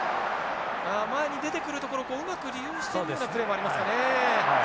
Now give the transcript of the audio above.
前に出てくるところをうまく利用しているようなプレーもありますかね。